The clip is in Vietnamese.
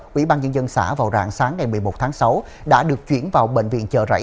quỹ ban nhân dân xã vào rạng sáng ngày một mươi một tháng sáu đã được chuyển vào bệnh viện chợ rẫy